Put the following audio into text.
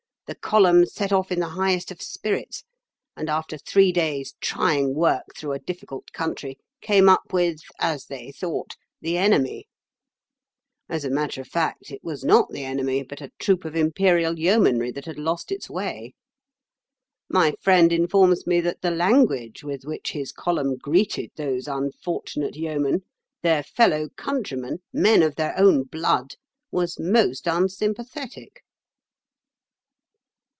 The column set off in the highest of spirits, and after three days' trying work through a difficult country came up with, as they thought, the enemy. As a matter of fact, it was not the enemy, but a troop of Imperial Yeomanry that had lost its way. My friend informs me that the language with which his column greeted those unfortunate Yeomen—their fellow countrymen, men of their own blood—was most unsympathetic."